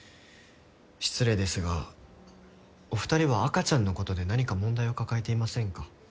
失礼ですがお二人は赤ちゃんのことで何か問題を抱えていませんか？